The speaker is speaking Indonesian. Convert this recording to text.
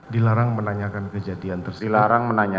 dilarang menanyakan kejadian tersebut